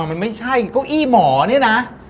มันไม่ใช่เก้าอี้หมอเนี่ยนะ